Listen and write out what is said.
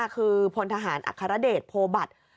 คือพลทหารอัครเดชโพบัตร